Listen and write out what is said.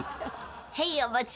へいお待ち！